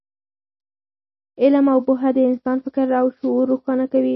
علم او پوهه د انسان فکر او شعور روښانه کوي.